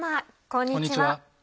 こんにちは。